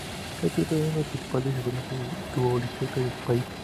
Se trata de una de las principales figuras futbolísticas de su país.